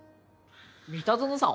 三田園さん